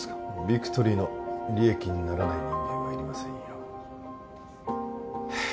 ビクトリーの利益にならない人間はいりませんよは